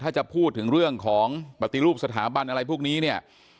ถ้าจะพูดถึงเรื่องของปฏิรูปสถาบันอะไรพวกนี้เนี่ย